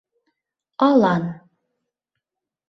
Алан.